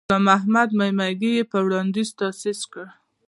غلام محمد میمنګي یې په وړاندیز تأسیس کړ.